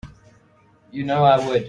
You know I would.